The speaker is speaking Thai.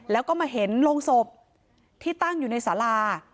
แล้วก็มาเห็นโรงศพที่ตั้งอยู่ในสารา